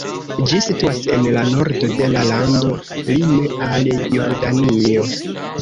Ĝi situas en la nordo de la lando lime al Jordanio.